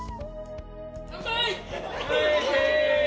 乾杯。